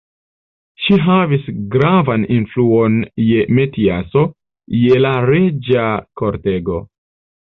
Ŝi havis gravan influon je Matiaso, je la reĝa kortego.